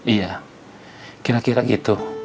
iya kira kira gitu